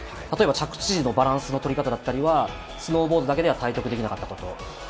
例えば着地時のバランスの取り方だったりはスノーボードだけでは体得できなかったこと。